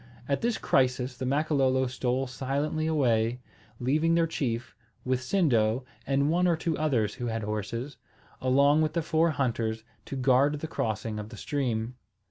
At this crisis the Makololo stole silently away, leaving their chief, with Sindo and one or two others who had horses, along with the four hunters, to guard the crossing of the stream.